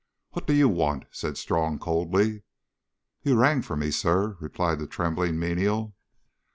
"What do you want?" said Strong coldly. "You rang for me, Sir," replied the trembling menial.